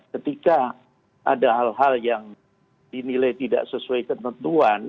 ketika ada hal hal yang dinilai tidak sesuai ketentuan